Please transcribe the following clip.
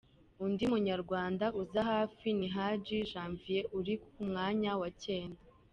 Undi Munyarwanda uza hafi ni Hadi Janvier uri ku mwanya wa cyenda.